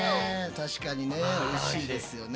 確かにねおいしいですよね。